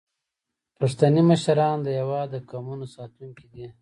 پښتني مشران د هیواد د قومونو ساتونکي دي.